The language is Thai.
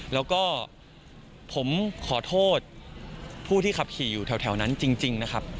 แล้วก็ผมขอโทษผู้ที่ขับขี่อยู่แถวนั้นจริงนะครับ